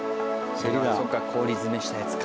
そっか氷詰めしたやつか。